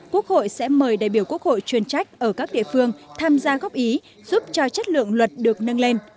quốc hội sẽ mời đại biểu quốc hội chuyên trách ở các địa phương tham gia góp ý giúp cho chất lượng luật được nâng lên